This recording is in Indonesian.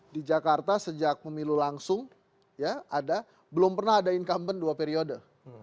di jakarta sejak pemilu langsung ya ada belum pernah ada incumbent dua periode